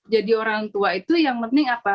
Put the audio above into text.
jadi orang tua itu yang penting apa